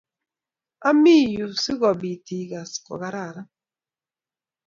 ami yu si ko bit I kass ko kararan